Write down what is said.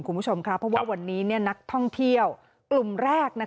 คุณผู้ชมค่ะเพราะว่าวันนี้นักท่องเที่ยวกลุ่มแรก